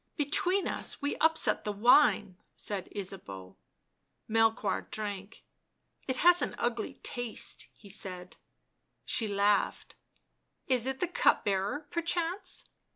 " Between us we upset the wine," said Ysabeau. Melchoir drank. " It has an ugly taste," he said. She laughed. " Is it the cupbearer, perchance?"